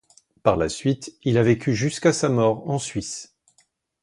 Par la suite, il a vécu jusqu'à sa mort en Suisse.